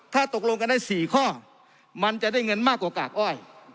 ถ้าตกลงกันได้๔ข้อมันจะได้เงินมากกว่ากากอ้อย